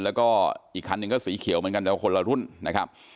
แล้วก็อีกคันหนึ่งก็สีเขียวเหมือนกันแต่ว่าคนละรุ่นนะครับ